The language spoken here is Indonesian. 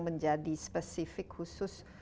menjadi spesifik khusus